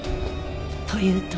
というと？